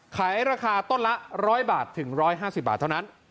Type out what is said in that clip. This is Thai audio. ขายราคาต้นละ๑๐๐บาทถึง๑๕๐บาทเท่านั้น